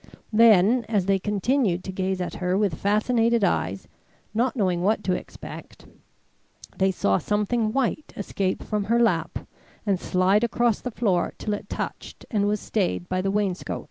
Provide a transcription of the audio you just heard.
Then, as they continued to gaze at her with fascinated eyes, not knowing what to expect, they saw something white escape from her lap and slide across the floor till it touched and was stayed by the wainscot.